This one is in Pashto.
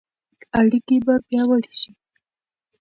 اړیکې به پیاوړې شي.